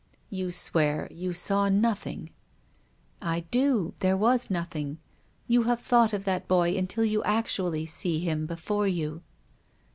" You swear you saw nothing ?"" I do. There was nothing. You have thought of that boy until you actually see him before you."